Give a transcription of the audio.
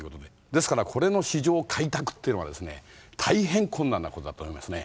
ですからこれの市場開拓っていうのはですね大変困難なことだと思いますね。